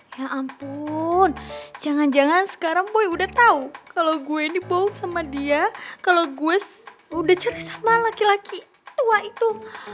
ya ampun jangan jangan sekarang boy udah tahu kalau gue ini bold sama dia kalau gue udah cari sama laki laki tua itu